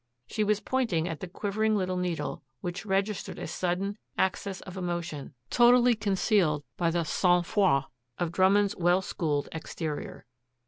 She was pointing at the quivering little needle which registered a sudden, access of emotion totally concealed by the sang froid of Drummond's well schooled exterior.